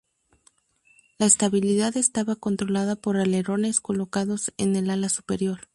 La estabilidad estaba controlada por alerones colocados en el ala superior.